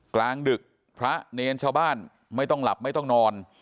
กลางดึกพระเนรชาวบ้านไม่ต้องหลับไม่ต้องนอน